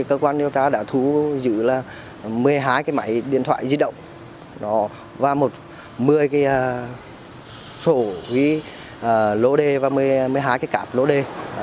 cơ quan điều tra đã thu giữ là một mươi hai cái máy điện thoại di động và một mươi cái sổ ghi lô đề và một mươi hai cái cáp lô đề